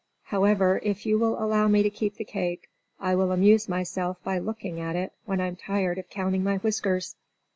However, if you will allow me to keep the cake, I will amuse myself by looking at it when I'm tired of counting my whiskers."